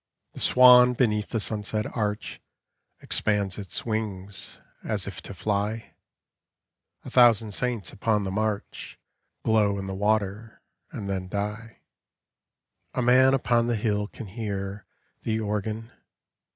The swan beneath the sunset arch Expands its wings, as if to fly. A thousand saints upon the march in the water, and then <: A man upon the hill ran bear The organ.